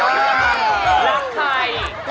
รักพี่ค่ะ